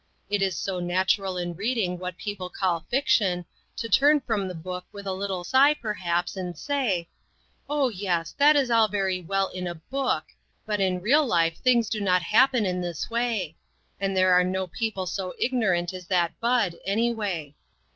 It is so natural in reading what people call fiction, to turn from the book with a little sigh, perhaps, and say: "Oh, yes; that is all very well in a book, but in real life COMFORTED. 2QI things do not happen in this way ; and there are no people so ignorant as that Bud, anyway.